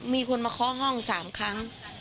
มีคนมาข้อห้องสามครั้ง